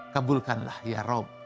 kabulkanlah ya rab